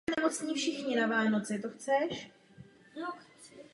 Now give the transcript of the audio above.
Po neúspěšném pokusu o opuštění země zůstala na americké ambasádě v Chartúmu.